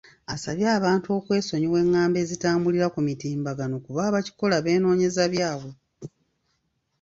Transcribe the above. Asabye abantu okwesonyiwa engambo ezitambulira ku mitimbagano kuba abakikola beenoonyeza byabwe.